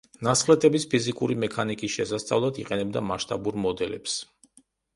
ნასხლეტების ფიზიკური მექანიკის შესასწავლად იყენებდა მასშტაბურ მოდელებს.